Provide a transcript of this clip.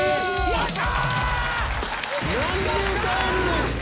やった！